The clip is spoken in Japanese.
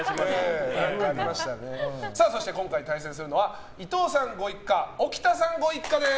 そして、今回対戦するのは伊藤さんご一家と置田さんご一家です。